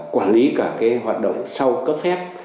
quản lý cả cái hoạt động sau cấp phép